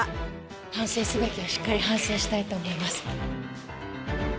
反省すべきはしっかり反省したいと思います。